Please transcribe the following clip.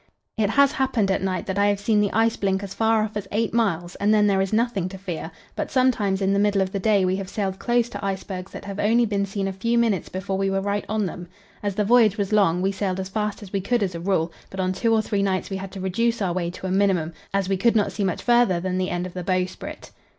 It has happened at night that I have seen the ice blink as far off as eight miles, and then there is nothing to fear; but sometimes in the middle of the day we have sailed close to icebergs that have only been seen a few minutes before we were right on them. As the voyage was long, we sailed as fast as we could, as a rule; but on two or three nights we had to reduce our way to a minimum, as we could not see much farther than the end of the bowsprit.